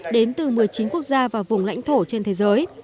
đến từ một mươi chín quốc gia và vùng lãnh thổ trên thế giới